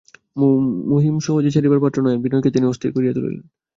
মহিম সহজে ছাড়িবার পাত্র নহেন– বিনয়কে তিনি অস্থির করিয়া তুলিলেন।